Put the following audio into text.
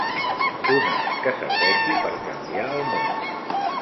Un art que serveixi per canviar el món.